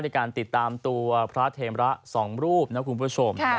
ในการติดตามตัวพระเทมระ๒รูปนะคุณผู้ชม